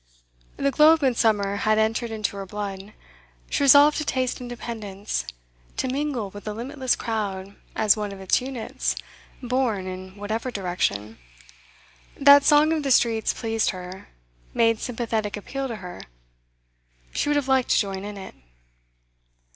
The glow of midsummer had entered into her blood; she resolved to taste independence, to mingle with the limitless crowd as one of its units, borne in whatever direction. That song of the streets pleased her, made sympathetic appeal to her; she would have liked to join in it.